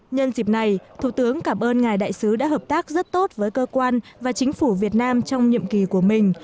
nhân dịp này thủ tướng cảm ơn ngài đại sứ đã hợp tác rất tốt với cơ quan và chính phủ việt nam trong nhiệm kỳ của mình